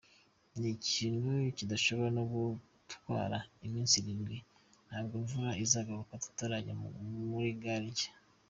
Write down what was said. Ni ikintu kidashobora no gutwara iminsi irindwi, ntabwo imvura izagaruka tutarajya muri gare nshya”.